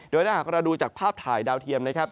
โดยถ้าหากเราดูจากภาพถ่ายดาวเทียมนะครับ